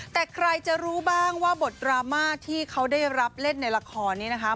แต่ใครจะรู้บ้างว่าบทดราม่าที่เขาได้รับเล่นในละครนี้นะคะ